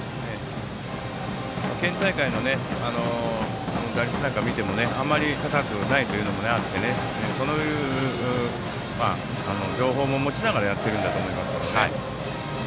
県大会の打率なんかを見てもあまり高くないということもあってそういう情報も持ちながらやっていると思います。